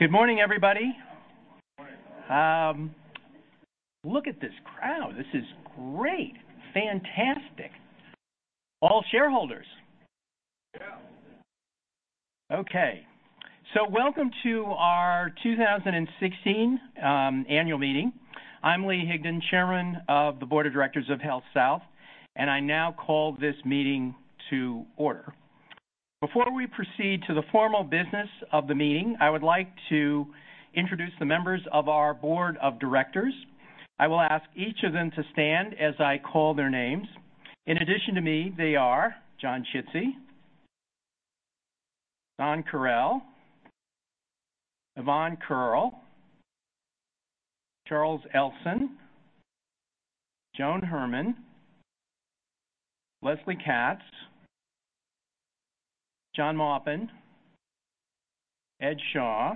Good morning, everybody. Good morning. Look at this crowd. This is great. Fantastic. All shareholders. Yeah. Okay. Welcome to our 2016 annual meeting. I'm Lee Higdon, chairman of the board of directors of HealthSouth, and I now call this meeting to order. Before we proceed to the formal business of the meeting, I would like to introduce the members of our board of directors. I will ask each of them to stand as I call their names. In addition to me, they are John Chidsey, Don Correll, Yvonne Curl, Charles Elson, Joan Herman, Leslie Katz, John Maupin, Ed Shaw,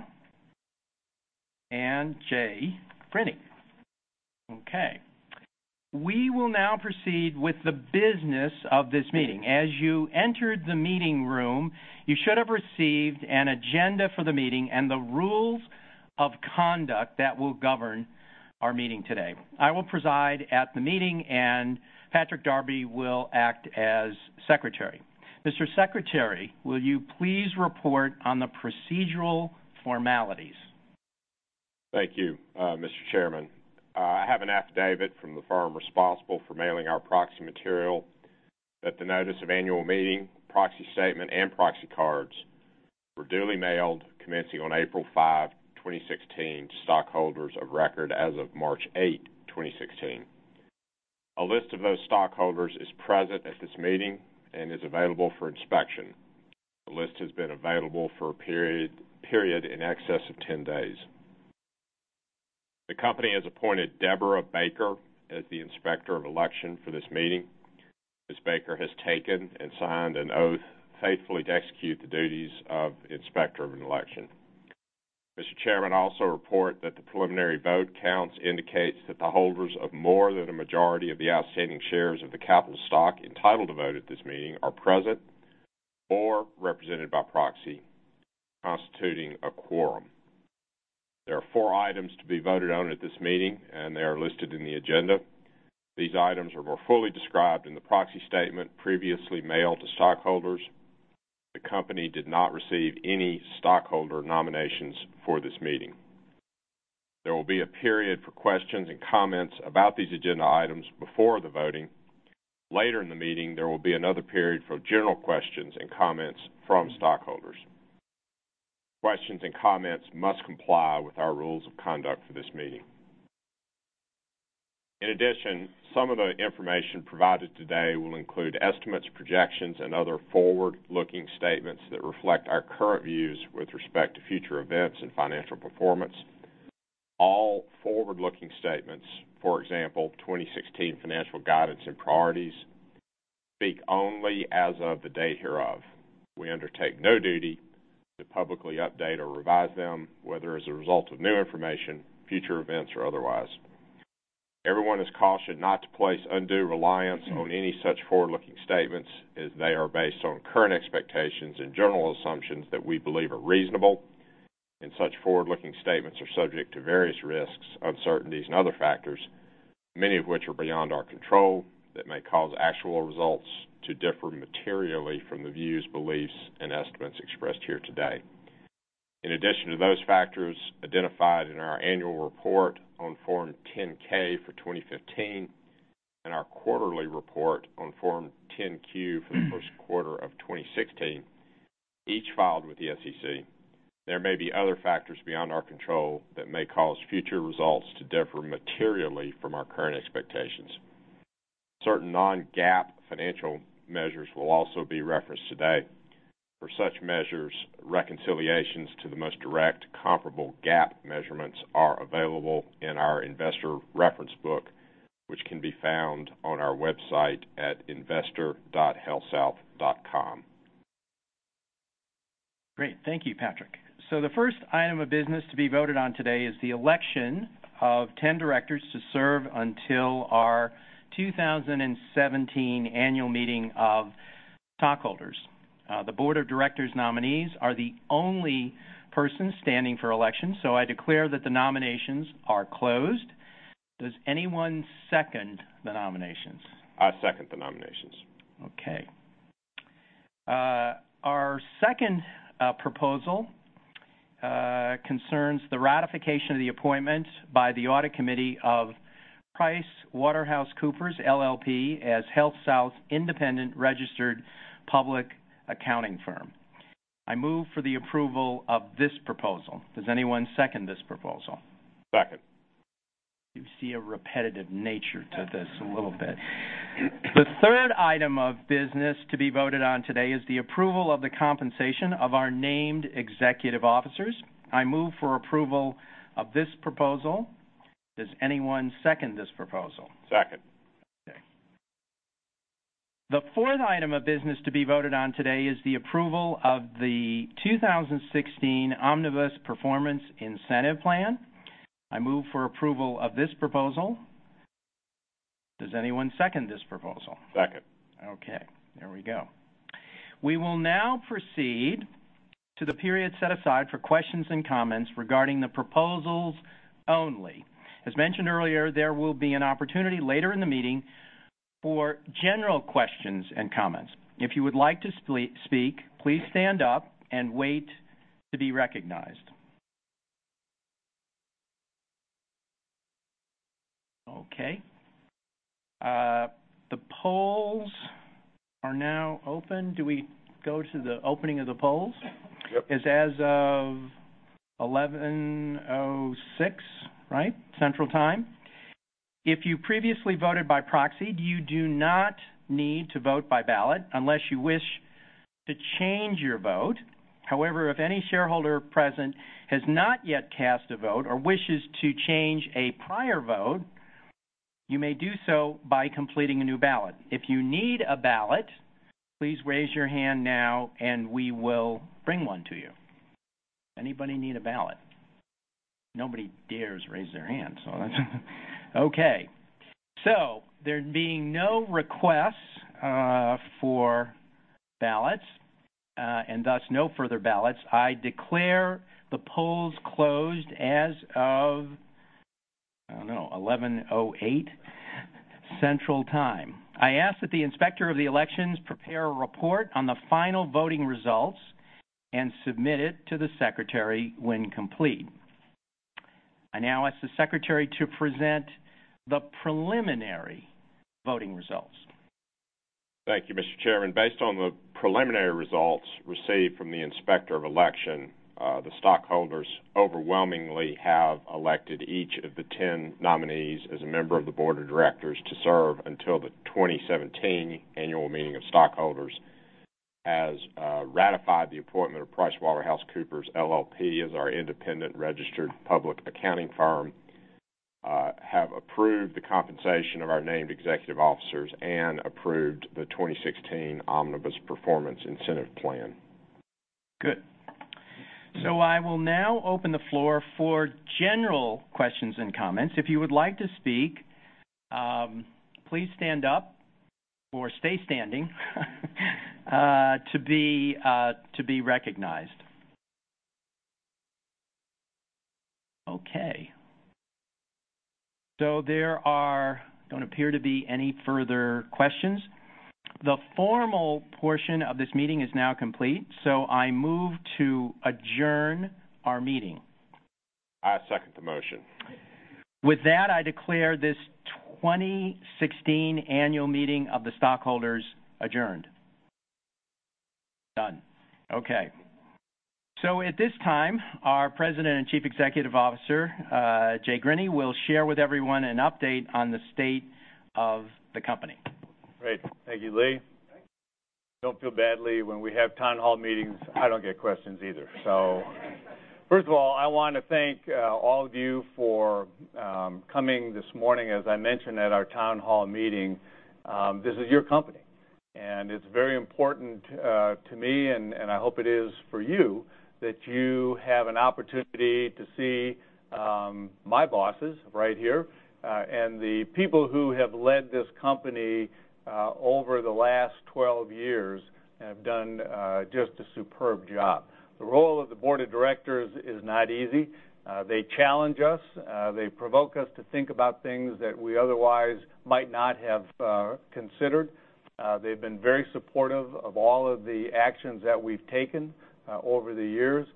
and Jay Grinney. Okay. We will now proceed with the business of this meeting. As you entered the meeting room, you should have received an agenda for the meeting and the rules of conduct that will govern our meeting today. I will preside at the meeting, and Patrick Darby will act as secretary. Mr. Secretary, will you please report on the procedural formalities? Thank you, Mr. Chairman. I have an affidavit from the firm responsible for mailing our proxy material that the notice of annual meeting, proxy statement, and proxy cards were duly mailed commencing on April 5, 2016, to stockholders of record as of March 8, 2016. A list of those stockholders is present at this meeting and is available for inspection. The list has been available for a period in excess of 10 days. The company has appointed Deborah Baker as the Inspector of Election for this meeting. Ms. Baker has taken and signed an oath faithfully to execute the duties of Inspector of an Election. Mr. Chairman, I also report that the preliminary vote counts indicates that the holders of more than a majority of the outstanding shares of the capital stock entitled to vote at this meeting are present or represented by proxy, constituting a quorum. There are four items to be voted on at this meeting, and they are listed in the agenda. These items were more fully described in the proxy statement previously mailed to stockholders. The company did not receive any stockholder nominations for this meeting. There will be a period for questions and comments about these agenda items before the voting. Later in the meeting, there will be another period for general questions and comments from stockholders. Questions and comments must comply with our rules of conduct for this meeting. In addition, some of the information provided today will include estimates, projections, and other forward-looking statements that reflect our current views with respect to future events and financial performance. All forward-looking statements, for example, 2016 financial guidance and priorities, speak only as of the day hereof. We undertake no duty to publicly update or revise them, whether as a result of new information, future events, or otherwise. Everyone is cautioned not to place undue reliance on any such forward-looking statements, as they are based on current expectations and general assumptions that we believe are reasonable, and such forward-looking statements are subject to various risks, uncertainties and other factors, many of which are beyond our control, that may cause actual results to differ materially from the views, beliefs, and estimates expressed here today. In addition to those factors identified in our annual report on Form 10-K for 2015 and our quarterly report on Form 10-Q for the first quarter of 2016, each filed with the SEC, there may be other factors beyond our control that may cause future results to differ materially from our current expectations. Certain non-GAAP financial measures will also be referenced today. For such measures, reconciliations to the most direct comparable GAAP measurements are available in our investor reference book, which can be found on our website at investor.healthsouth.com. Great. Thank you, Patrick. The first item of business to be voted on today is the election of 10 directors to serve until our 2017 annual meeting of stockholders. The board of directors' nominees are the only persons standing for election, I declare that the nominations are closed. Does anyone second the nominations? I second the nominations. Okay. Our second proposal concerns the ratification of the appointment by the Audit Committee of PricewaterhouseCoopers, LLP, as HealthSouth's independent registered public accounting firm. I move for the approval of this proposal. Does anyone second this proposal? Second. You see a repetitive nature to this a little bit. The third item of business to be voted on today is the approval of the compensation of our named executive officers. I move for approval of this proposal. Does anyone second this proposal? Second. Okay. The fourth item of business to be voted on today is the approval of the 2016 Omnibus Performance Incentive Plan. I move for approval of this proposal. Does anyone second this proposal? Second. Okay, there we go. We will now proceed to the period set aside for questions and comments regarding the proposals only. As mentioned earlier, there will be an opportunity later in the meeting for general questions and comments. If you would like to speak, please stand up and wait to be recognized. Okay. The polls are now open. Do we go to the opening of the polls? Yep. It's as of 11:06 A.M., right? Central Time. If you previously voted by proxy, you do not need to vote by ballot unless you wish to change your vote. However, if any shareholder present has not yet cast a vote or wishes to change a prior vote, you may do so by completing a new ballot. If you need a ballot, please raise your hand now, and we will bring one to you. Anybody need a ballot? Nobody dares raise their hand, so that's okay, so there being no requests for ballots, and thus, no further ballots, I declare the polls closed as of, I don't know, 11:08 A.M. Central Time. I ask that the Inspector of Election prepare a report on the final voting results and submit it to the Secretary when complete. I now ask the Secretary to present the preliminary voting results. Thank you, Mr. Chairman. Based on the preliminary results received from the Inspector of Election, the stockholders overwhelmingly have elected each of the 10 nominees as a member of the board of directors to serve until the 2017 annual meeting of stockholders, has ratified the appointment of PricewaterhouseCoopers, LLP as our independent registered public accounting firm, have approved the compensation of our named executive officers, and approved the 2016 Omnibus Performance Incentive Plan. Good. I will now open the floor for general questions and comments. If you would like to speak, please stand up or stay standing to be recognized. Okay. There don't appear to be any further questions. The formal portion of this meeting is now complete. I move to adjourn our meeting. I second the motion. With that, I declare this 2016 annual meeting of the stockholders adjourned. Done. Okay. At this time, our President and Chief Executive Officer, Jay Grinney, will share with everyone an update on the state of the company. Great. Thank you, Lee. Thanks. Don't feel bad, Lee. When we have town hall meetings, I don't get questions either. First of all, I want to thank all of you for coming this morning. As I mentioned at our town hall meeting, this is your company, and it's very important to me, and I hope it is for you, that you have an opportunity to see my bosses right here, and the people who have led this company over the last 12 years have done just a superb job. The role of the board of directors is not easy. They challenge us. They provoke us to think about things that we otherwise might not have considered. They've been very supportive of all of the actions that we've taken over the years.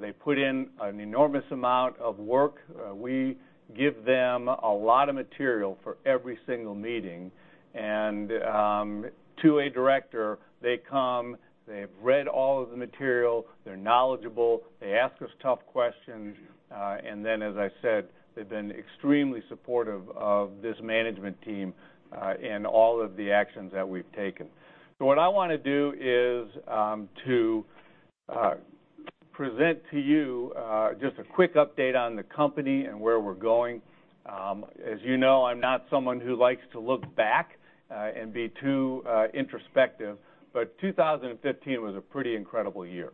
They put in an enormous amount of work. We give them a lot of material for every single meeting. To a director, they come, they've read all of the material, they're knowledgeable, they ask us tough questions. Then, as I said, they've been extremely supportive of this management team and all of the actions that we've taken. What I want to do is to present to you just a quick update on the company and where we're going. As you know, I'm not someone who likes to look back and be too introspective, 2015 was a pretty incredible year.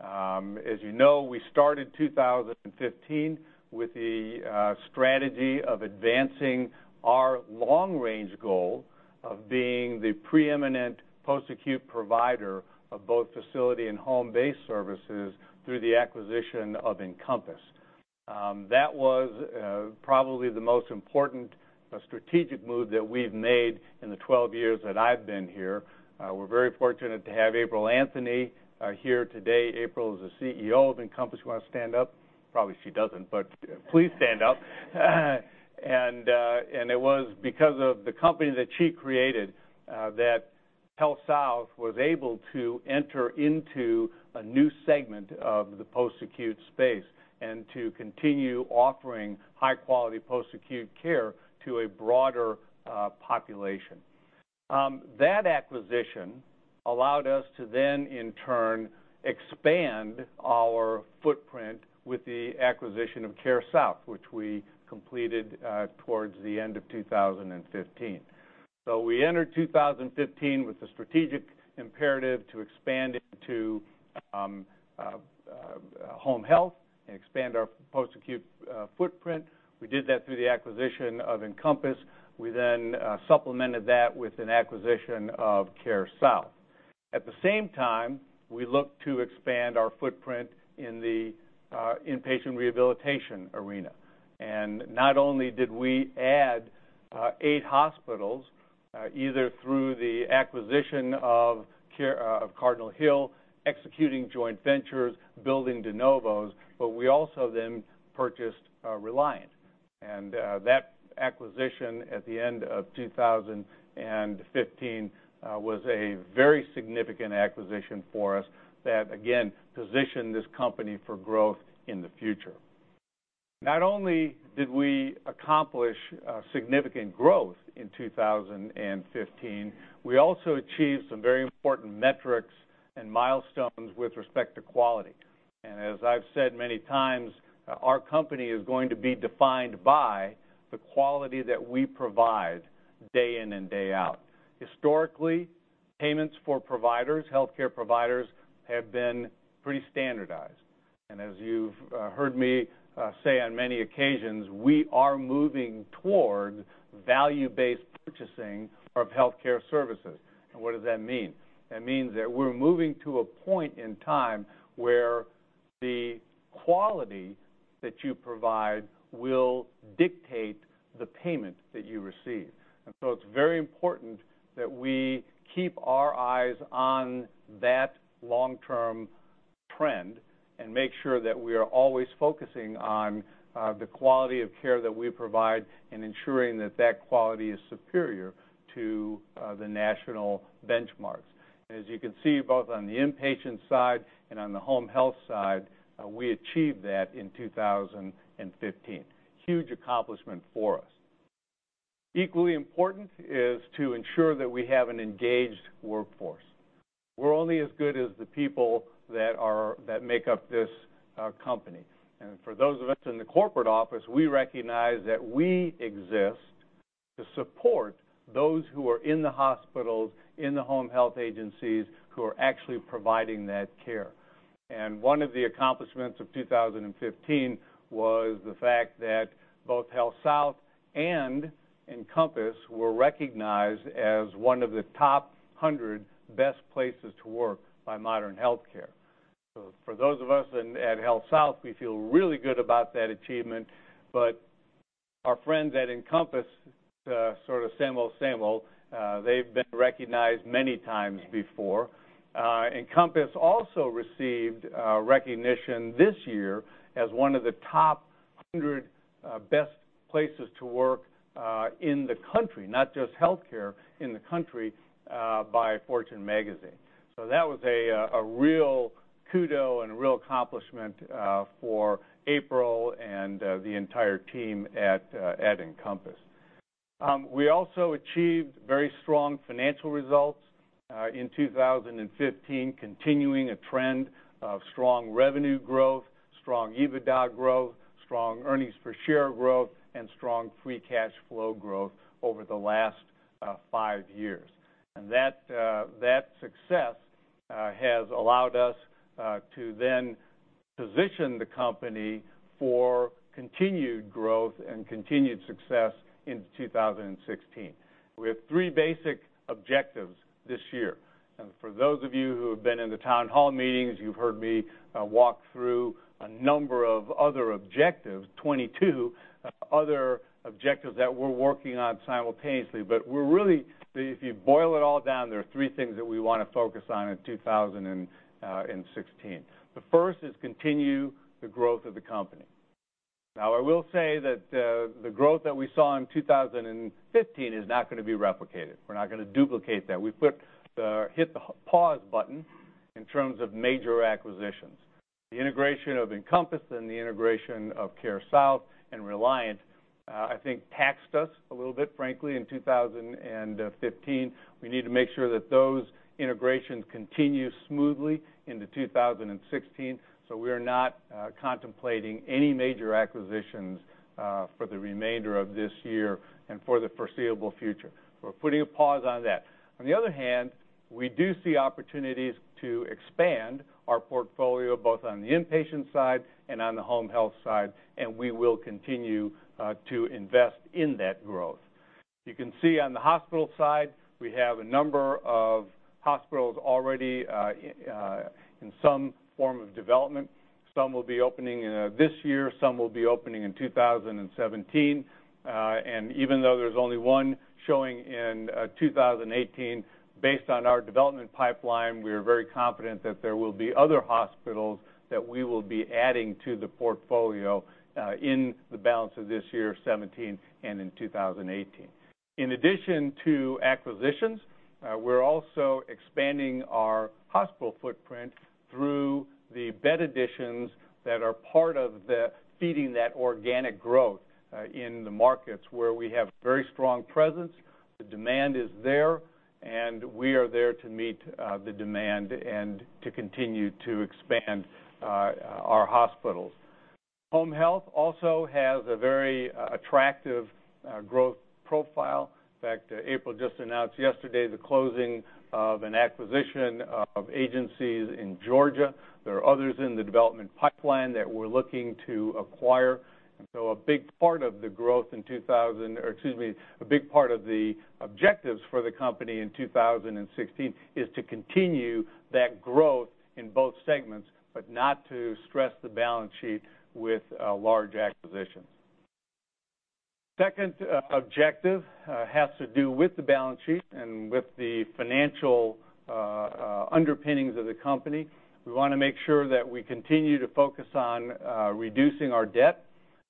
As you know, we started 2015 with the strategy of advancing our long-range goal of being the preeminent post-acute provider of both facility and home-based services through the acquisition of Encompass. That was probably the most important strategic move that we've made in the 12 years that I've been here. We're very fortunate to have April Anthony here today. April is the CEO of Encompass. You want to stand up? Probably she doesn't, please stand up. It was because of the company that she created that HealthSouth was able to enter into a new segment of the post-acute space and to continue offering high-quality post-acute care to a broader population. That acquisition allowed us to then, in turn, expand our footprint with the acquisition of CareSouth, which we completed towards the end of 2015. We entered 2015 with the strategic imperative to expand into home health and expand our post-acute footprint. We did that through the acquisition of Encompass. We supplemented that with an acquisition of CareSouth. At the same time, we looked to expand our footprint in the inpatient rehabilitation arena. Not only did we add eight hospitals, either through the acquisition of Cardinal Hill, executing joint ventures, building de novos, we also purchased Reliant. That acquisition at the end of 2015 was a very significant acquisition for us that again, positioned this company for growth in the future. Not only did we accomplish significant growth in 2015, we also achieved some very important metrics and milestones with respect to quality. As I've said many times, our company is going to be defined by the quality that we provide day in and day out. Historically, payments for providers, healthcare providers, have been pretty standardized. As you've heard me say on many occasions, we are moving toward value-based purchasing of healthcare services. What does that mean? That means that we're moving to a point in time where the quality that you provide will dictate the payment that you receive. It's very important that we keep our eyes on that long-term trend and make sure that we are always focusing on the quality of care that we provide and ensuring that quality is superior to the national benchmarks. As you can see, both on the inpatient side and on the home health side, we achieved that in 2015. Huge accomplishment for us. Equally important is to ensure that we have an engaged workforce. We're only as good as the people that make up this company. For those of us in the corporate office, we recognize that we exist to support those who are in the hospitals, in the home health agencies, who are actually providing that care. One of the accomplishments of 2015 was the fact that both HealthSouth and Encompass were recognized as one of the top 100 best places to work by Modern Healthcare. For those of us at HealthSouth, we feel really good about that achievement, but our friends at Encompass, sort of same old, same old, they've been recognized many times before. Encompass also received recognition this year as one of the top 100 best places to work in the country, not just healthcare, in the country by Fortune Magazine. That was a real kudo and a real accomplishment for April and the entire team at Encompass. We also achieved very strong financial results in 2015, continuing a trend of strong revenue growth, strong EBITDA growth, strong earnings per share growth, and strong free cash flow growth over the last five years. That success has allowed us to then position the company for continued growth and continued success into 2016. We have three basic objectives this year. For those of you who have been in the town hall meetings, you've heard me walk through a number of other objectives, 22 other objectives that we're working on simultaneously. If you boil it all down, there are three things that we want to focus on in 2016. The first is continue the growth of the company. Now, I will say that the growth that we saw in 2015 is not going to be replicated. We're not going to duplicate that. We hit the pause button in terms of major acquisitions. The integration of Encompass and the integration of CareSouth and Reliant I think taxed us a little bit, frankly, in 2015. We need to make sure that those integrations continue smoothly into 2016, so we are not contemplating any major acquisitions for the remainder of this year and for the foreseeable future. We're putting a pause on that. On the other hand, we do see opportunities to expand our portfolio, both on the inpatient side and on the home health side, and we will continue to invest in that growth. You can see on the hospital side, we have a number of hospitals already in some form of development. Some will be opening this year, some will be opening in 2017. Even though there's only one showing in 2018, based on our development pipeline, we are very confident that there will be other hospitals that we will be adding to the portfolio in the balance of this year, 2017, and in 2018. In addition to acquisitions, we're also expanding our hospital footprint through the bed additions that are part of feeding that organic growth in the markets where we have very strong presence. The demand is there, and we are there to meet the demand and to continue to expand our hospitals. Home health also has a very attractive growth profile. In fact, April just announced yesterday the closing of an acquisition of agencies in Georgia. There are others in the development pipeline that we're looking to acquire. A big part of the objectives for the company in 2016 is to continue that growth in both segments, but not to stress the balance sheet with large acquisitions. Second objective has to do with the balance sheet and with the financial underpinnings of the company. We want to make sure that we continue to focus on reducing our debt.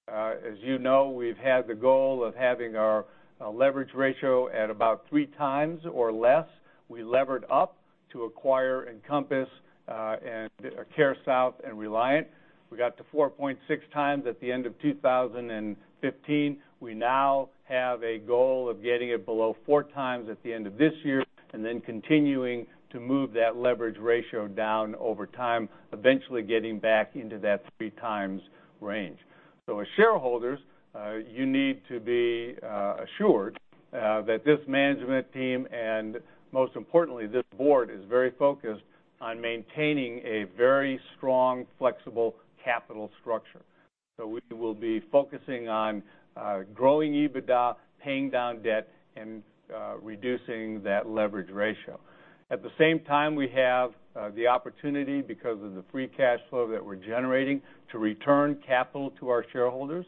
As you know, we've had the goal of having our leverage ratio at about three times or less. We levered up to acquire Encompass and CareSouth and Reliant. We got to 4.6 times at the end of 2015. We now have a goal of getting it below four times at the end of this year, and then continuing to move that leverage ratio down over time, eventually getting back into that three times range. As shareholders, you need to be assured that this management team, and most importantly, this board is very focused on maintaining a very strong, flexible capital structure. We will be focusing on growing EBITDA, paying down debt, and reducing that leverage ratio. At the same time, we have the opportunity, because of the free cash flow that we're generating, to return capital to our shareholders,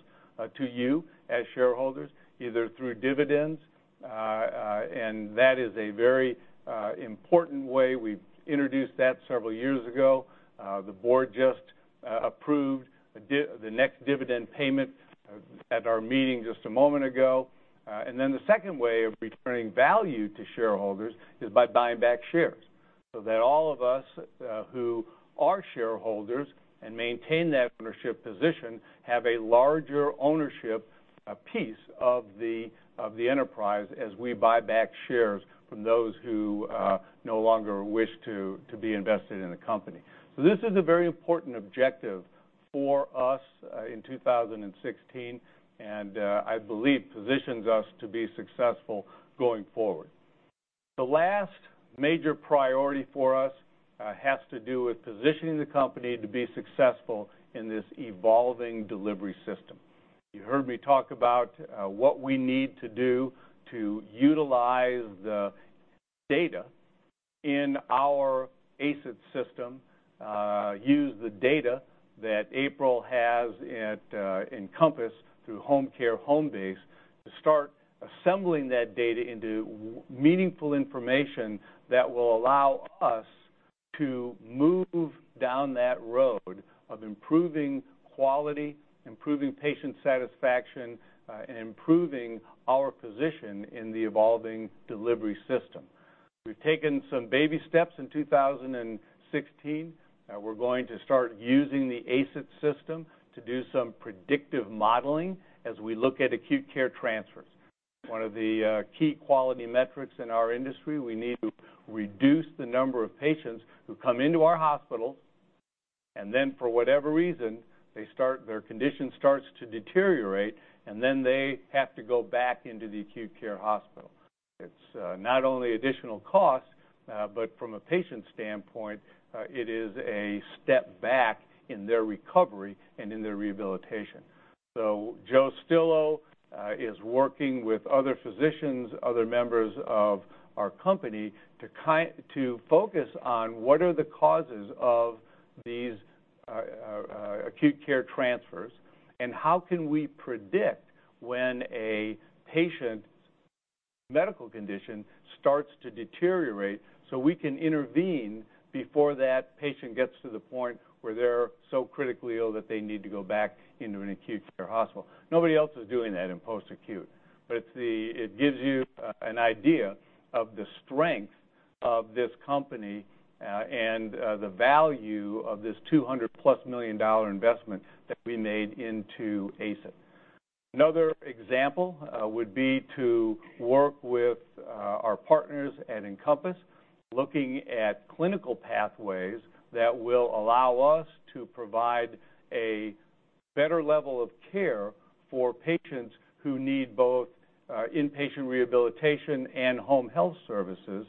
to you as shareholders, either through dividends, and that is a very important way. We introduced that several years ago. The board just approved the next dividend payment at our meeting just a moment ago. The second way of returning value to shareholders is by buying back shares, so that all of us who are shareholders and maintain that ownership position have a larger ownership piece of the enterprise as we buy back shares from those who no longer wish to be invested in the company. This is a very important objective for us in 2016, and I believe positions us to be successful going forward. The last major priority for us has to do with positioning the company to be successful in this evolving delivery system. You heard me talk about what we need to do to utilize the data in our ACE IT system, use the data that April has at Encompass through Homecare Homebase to start assembling that data into meaningful information that will allow us to move down that road of improving quality, improving patient satisfaction, and improving our position in the evolving delivery system. We've taken some baby steps in 2016. We're going to start using the ACE IT system to do some predictive modeling as we look at acute care transfers. One of the key quality metrics in our industry, we need to reduce the number of patients who come into our hospitals, and then for whatever reason, their condition starts to deteriorate, and then they have to go back into the acute care hospital. It's not only additional cost, but from a patient standpoint, it is a step back in their recovery and in their rehabilitation. Joe Stillo is working with other physicians, other members of our company to focus on what are the causes of these acute care transfers, and how can we predict when a patient's medical condition starts to deteriorate so we can intervene before that patient gets to the point where they're so critically ill that they need to go back into an acute care hospital. Nobody else is doing that in post-acute. It gives you an idea of the strength of this company and the value of this $200-plus million investment that we made into ACE IT. Another example would be to work with our partners at Encompass, looking at clinical pathways that will allow us to provide a better level of care for patients who need both inpatient rehabilitation and home health services,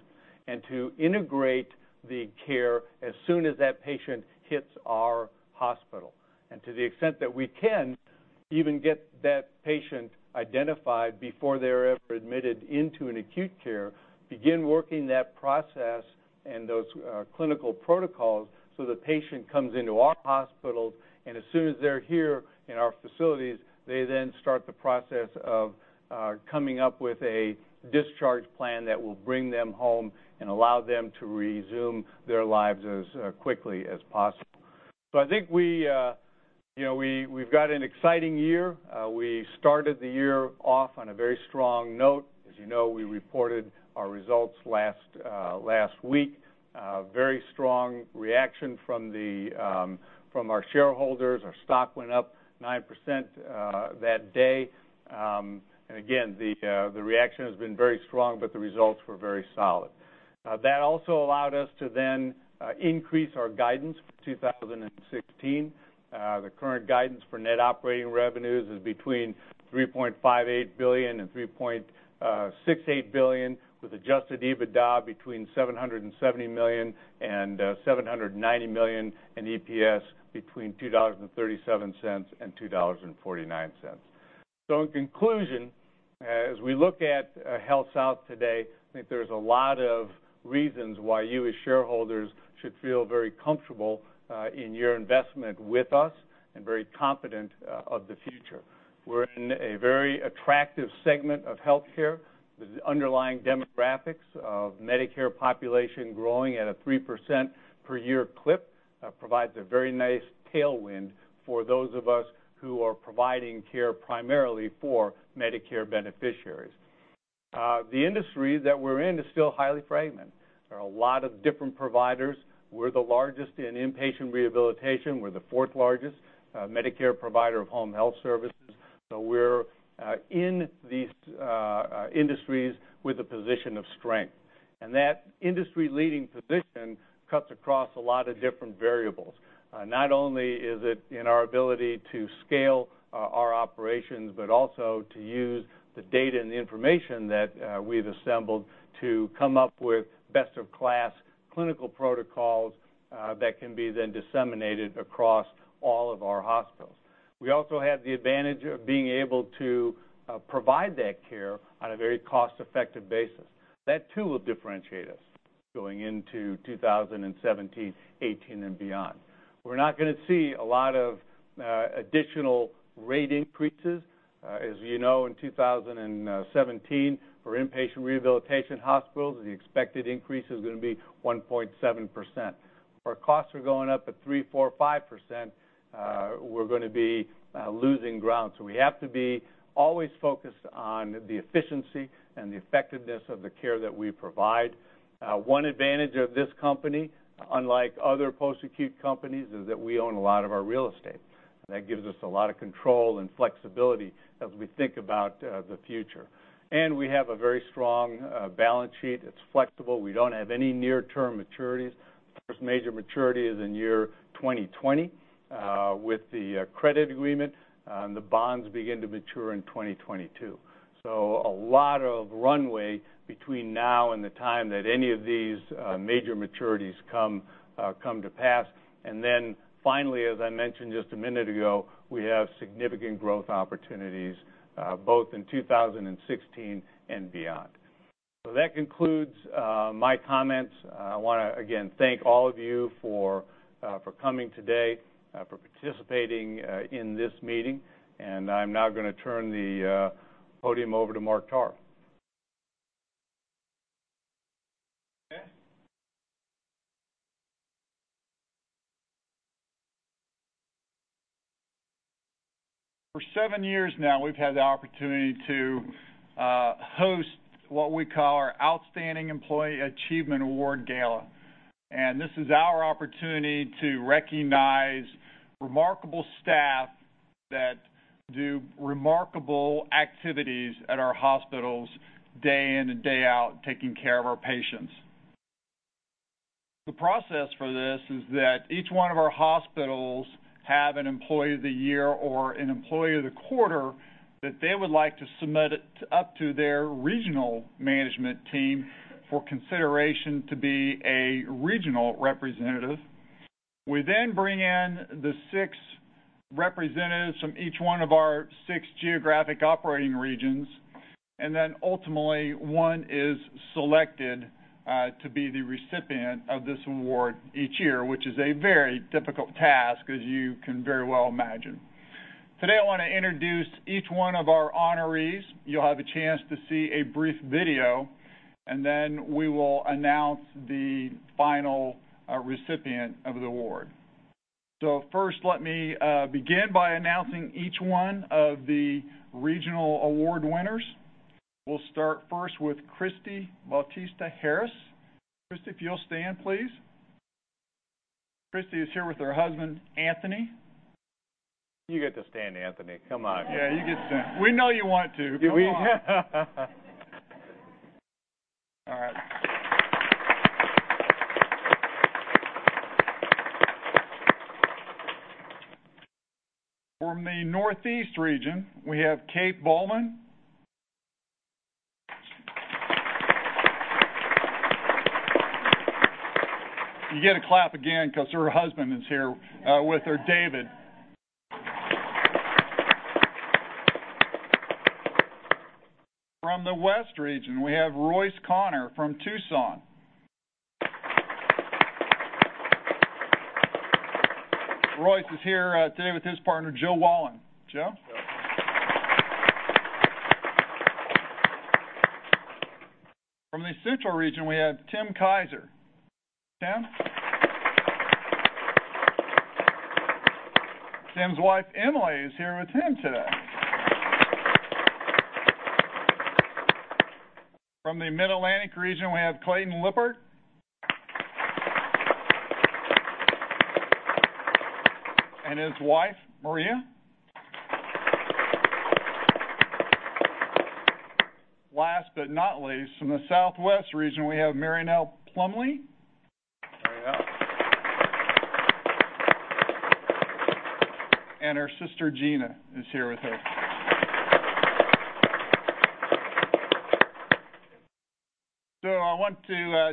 to integrate the care as soon as that patient hits our hospital. To the extent that we can even get that patient identified before they're ever admitted into an acute care, begin working that process and those clinical protocols the patient comes into our hospitals, and as soon as they're here in our facilities, they then start the process of coming up with a discharge plan that will bring them home and allow them to resume their lives as quickly as possible. I think we've got an exciting year. We started the year off on a very strong note. As you know, we reported our results last week. A very strong reaction from our shareholders. Our stock went up 9% that day. Again, the reaction has been very strong, but the results were very solid. That also allowed us to then increase our guidance for 2016. The current guidance for net operating revenues is between $3.58 billion and $3.68 billion, with adjusted EBITDA between $770 million and $790 million, and EPS between $2.37 and $2.49. In conclusion, as we look at HealthSouth today, I think there's a lot of reasons why you, as shareholders, should feel very comfortable in your investment with us and very confident of the future. We're in a very attractive segment of healthcare. The underlying demographics of Medicare population growing at a 3% per year clip provides a very nice tailwind for those of us who are providing care primarily for Medicare beneficiaries. The industry that we're in is still highly fragmented. There are a lot of different providers. We're the largest in inpatient rehabilitation. We're the fourth-largest Medicare provider of home health services. We're in these industries with a position of strength, and that industry-leading position cuts across a lot of different variables. Not only is it in our ability to scale our operations, but also to use the data and the information that we've assembled to come up with best-in-class clinical protocols that can be then disseminated across all of our hospitals. We also have the advantage of being able to provide that care on a very cost-effective basis. That, too, will differentiate us going into 2017, 2018, and beyond. We're not going to see a lot of additional rate increases. As you know, in 2017, for inpatient rehabilitation hospitals, the expected increase is going to be 1.7%. Where costs are going up at 3%, 4%, 5%, we're going to be losing ground. We have to be always focused on the efficiency and the effectiveness of the care that we provide. One advantage of this company, unlike other post-acute companies, is that we own a lot of our real estate, and that gives us a lot of control and flexibility as we think about the future. We have a very strong balance sheet. It's flexible. We don't have any near-term maturities. The first major maturity is in year 2020 with the credit agreement, and the bonds begin to mature in 2020. A lot of runway between now and the time that any of these major maturities come to pass. Finally, as I mentioned just a minute ago, we have significant growth opportunities both in 2016 and beyond. That concludes my comments. I want to again thank all of you for coming today, for participating in this meeting, and I'm now going to turn the podium over to Mark Tarr. Okay. For seven years now, we've had the opportunity to host what we call our Outstanding Employee Achievement Award Gala, and this is our opportunity to recognize remarkable staff that do remarkable activities at our hospitals day in and day out, taking care of our patients. The process for this is that each one of our hospitals have an employee of the year or an employee of the quarter that they would like to submit up to their regional management team for consideration to be a regional representative. We then bring in the six representatives from each one of our six geographic operating regions, and then ultimately, one is selected to be the recipient of this award each year, which is a very difficult task, as you can very well imagine. Today, I want to introduce each one of our honorees. You'll have a chance to see a brief video, and then we will announce the final recipient of the award. First, let me begin by announcing each one of the regional award winners. We'll start first with Christy Bautista-Harris. Christy, if you'll stand, please. Christy is here with her husband, Anthony. You get to stand, Anthony. Come on. Yeah, you get to stand. We know you want to. Come on. Do we? All right. From the Northeast region, we have Kate Bowman. You get to clap again because her husband is here with her, David. From the West region, we have Royce Conner from Tucson. Royce is here today with his partner, Joe Wallen. Joe? From the Central region, we have Tim Kiser. Tim? Tim's wife, Emily, is here with him today. From the Mid-Atlantic region, we have Clayton Lippert. His wife, Maria. Last but not least, from the Southwest region, we have Marynell Plumley. Her sister, Gina, is here with her. I want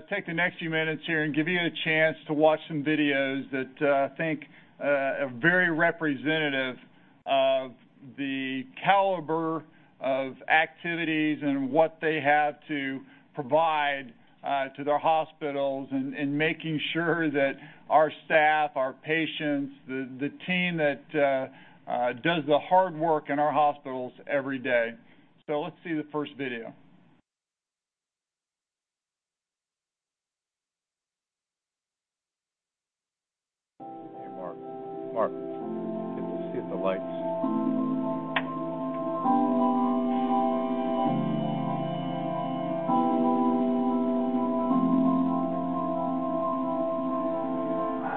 to take the next few minutes here and give you a chance to watch some videos that I think are very representative of the caliber of activities and what they have to provide to their hospitals, and making sure that our staff, our patients, the team that does the hard work in our hospitals every day. Let's see the first video. Hey, Mark. Let's see if the lights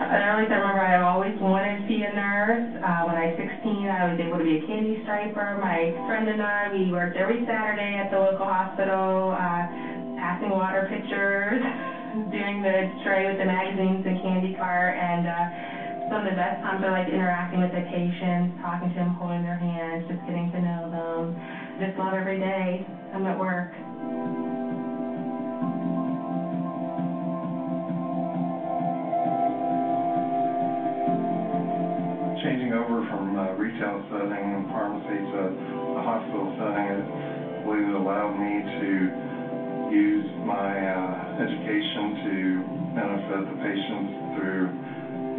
An early memory, I always wanted to be a nurse. When I was 16, I was able to be a candy striper. My friend and I, we worked every Saturday at the local hospital, passing water pitchers, doing the tray with the magazines, the candy cart. Some of the best times are interacting with the patients, talking to them, holding their hands, just getting to know them. Just love every day I'm at work. Changing over from a retail setting in pharmacy to a hospital setting, I believe it allowed me to use my education to benefit the patients through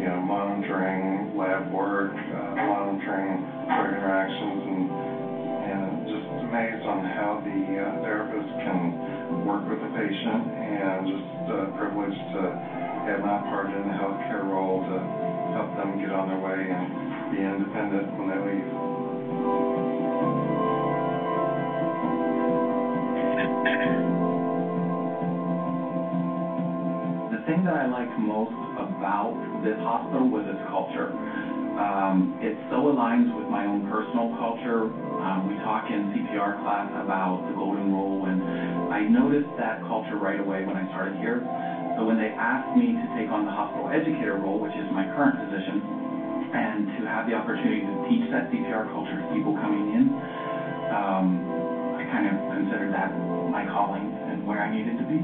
monitoring lab work, monitoring drug interactions, and I'm just amazed on how the therapist can work with the patient and just privileged to have my part in the healthcare role to help them get on their way and be independent when they leave. The thing that I like most about this hospital was its culture. It so aligns with my own personal culture. We talk in CPR class about the golden rule. I noticed that culture right away when I started here. When they asked me to take on the hospital educator role, which is my current position, and to have the opportunity to teach that CPR culture to people coming in, I kind of considered that my calling and where I needed to be.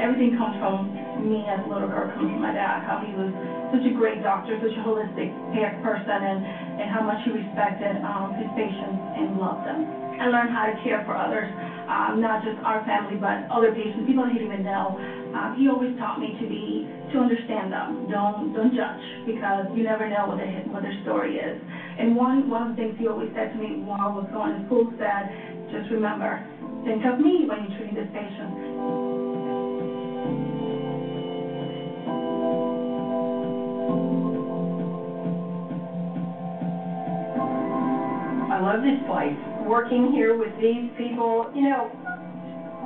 Everything comes from me as a little girl looking at my dad, how he was such a great doctor, such a holistic person, and how much he respected his patients and loved them. I learned how to care for others, not just our family, but other patients, people he didn't even know. He always taught me to understand them. Don't judge, because you never know what their story is. One of the things he always said to me while I was going to school, he said, "Just remember, think of me when you're treating the patients. I love this place. Working here with these people.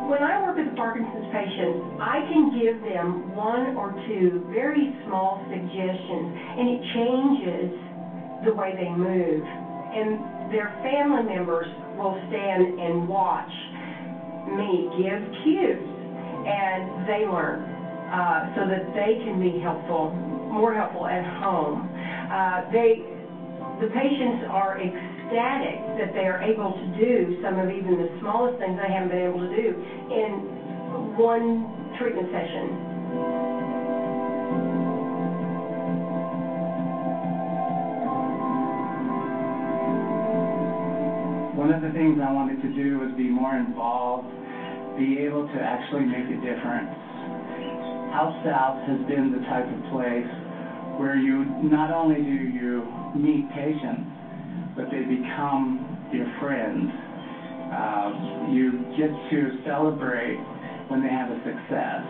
When I work with the Parkinson's patients, I can give them one or two very small suggestions and it changes the way they move, and their family members will stand and watch me give cues, and they learn, so that they can be more helpful at home. The patients are ecstatic that they are able to do some of even the smallest things they haven't been able to do in one treatment session. One of the things I wanted to do was be more involved, be able to actually make a difference. HealthSouth has been the type of place where not only do you meet patients, but they become your friends. You get to celebrate when they have a success,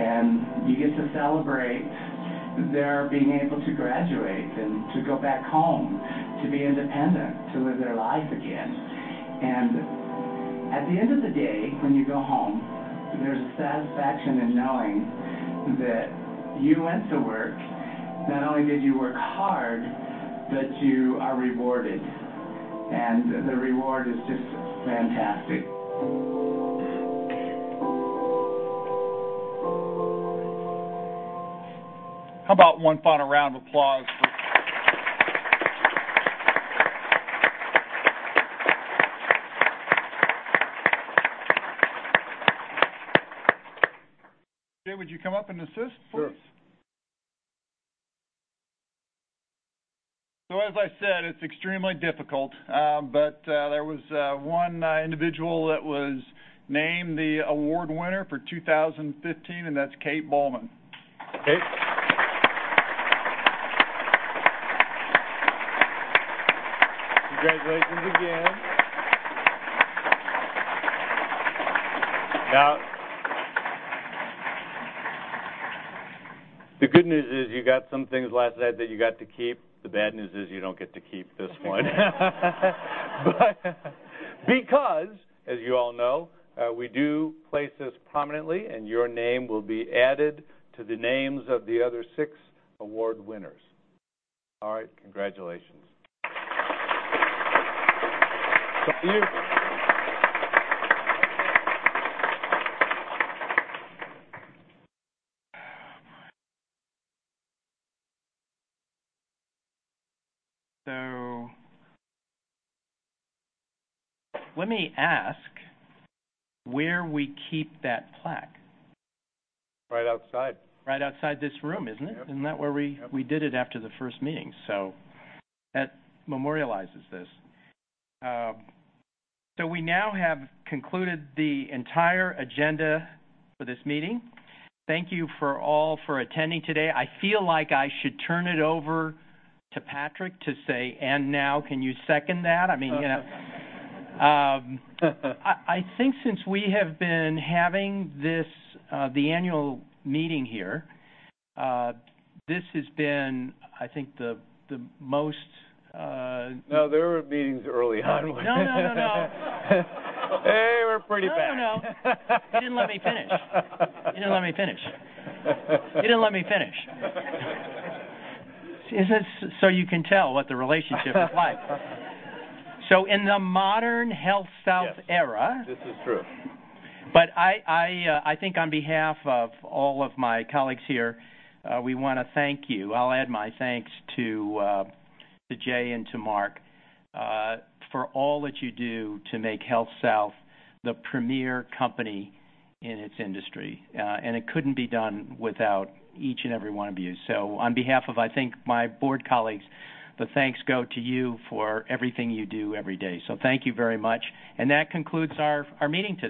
and you get to celebrate their being able to graduate and to go back home, to be independent, to live their life again. At the end of the day, when you go home, there's a satisfaction in knowing that you went to work, not only did you work hard, but you are rewarded, and the reward is just fantastic. How about one final round of applause for Jay, would you come up and assist, please? Sure. As I said, it's extremely difficult. There was one individual that was named the award winner for 2015, and that's Kate Bowman. Kate. Congratulations again. The good news is you got some things last night that you got to keep. The bad news is you don't get to keep this one. As you all know, we do place this prominently, and your name will be added to the names of the other six award winners. All right, congratulations. Let me ask where we keep that plaque. Right outside. Right outside this room, isn't it? Yep. Isn't that where we. Yep That memorializes this. We now have concluded the entire agenda for this meeting. Thank you for all for attending today. I feel like I should turn it over to Patrick to say, "And now, can you second that?" I mean- I think since we have been having the annual meeting here, this has been, I think, the most- No, there were meetings early on where- No. They were pretty bad. No. You didn't let me finish. You can tell what the relationship is like. In the modern HealthSouth era- Yes, this is true. I think on behalf of all of my colleagues here, we want to thank you. I'll add my thanks to Jay and to Mark for all that you do to make HealthSouth the premier company in its industry. It couldn't be done without each and every one of you. On behalf of, I think, my board colleagues, the thanks go to you for everything you do every day. Thank you very much. That concludes our meeting today.